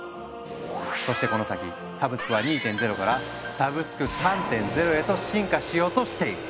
そしてこの先サブスクは２．０から「サブスク３．０」へと進化しようとしている。